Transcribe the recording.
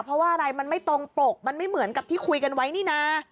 เพราะว่าอะไรมันไม่ตรงปกมันไม่เหมือนกับที่คุยกันไว้นี่นะ